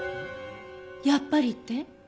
やっぱりって？